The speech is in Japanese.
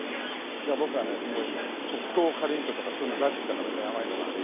僕がねすごい黒糖かりんとうとかそういうの大好きだからね甘いのが。